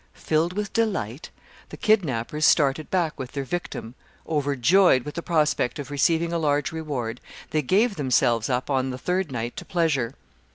Filled with delight, the kidnappers started back with their victim. Overjoyed with the prospect of receiving a large reward, they gave themselves up on the third night to pleasure.